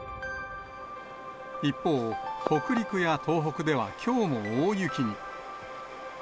一方、北陸や東北ではきょうも大雪に。